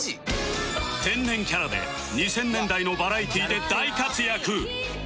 天然キャラで２０００年代のバラエティで大活躍